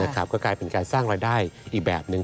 ก็กลายเป็นการสร้างรายได้อีกแบบหนึ่ง